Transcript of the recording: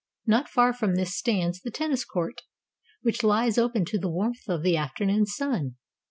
Not far from this stands the tennis court, which lies open to the warmth of the afternoon sim.